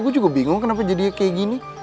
gua juga bingung kenapa jadinya kayak gini